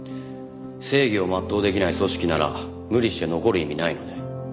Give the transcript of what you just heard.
正義を全うできない組織なら無理して残る意味ないので。